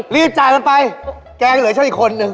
รีบจ่ายมันไปแกงเหลือเช่าอีกคนนึง